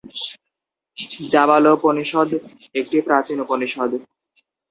জাবালোপনিষদ্ একটি প্রাচীন উপনিষদ্।